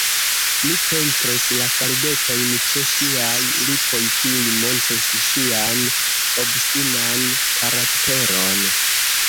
Mi pentris la faldetojn ĉe ŝiaj lipoj, kiuj montris ŝian obstinan karakteron.